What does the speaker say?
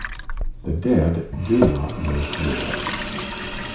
" The dead do not make war."